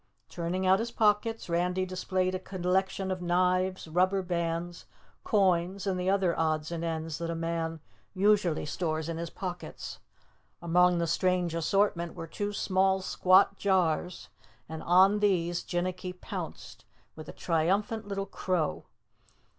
Turning out his pockets, Randy displayed a collection of knives, rubber bands, coins and the other odds and ends that a man usually stores in his pockets. Among the strange assortment were two small squat jars and on these Jinnicky pounced with a triumphant little crow.